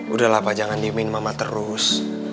udahlah pak jangan diemin mama terus